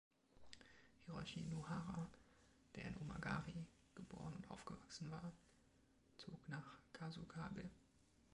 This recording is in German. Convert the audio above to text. Hiroshi Nohara, der in Omagari geboren und aufgewachsen war, zog nach Kasukabe.